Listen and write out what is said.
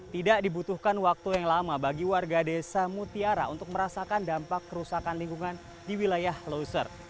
tidak dibutuhkan waktu yang lama bagi warga desa mutiara untuk merasakan dampak kerusakan lingkungan di wilayah loser